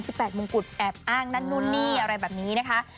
แปดมงกุฎแอบอ้างนั่นนู่นนี่อะไรแบบนี้นะคะ